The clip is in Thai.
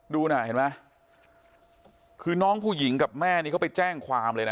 ดูน่ะเห็นไหมคือน้องผู้หญิงกับแม่นี่เขาไปแจ้งความเลยนะ